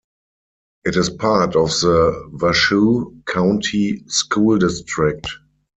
It is part of the Washoe County School District.